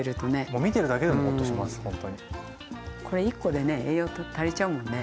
これ１個でね栄養足りちゃうもんね。